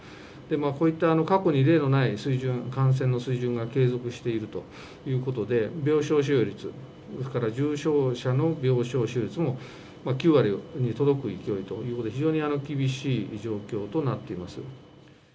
こういった過去に例のない水準、感染の水準が継続しているということで、病床使用率、それから重症者の病床使用率も９割に届く勢いということで、非常に厳しい状況となっています。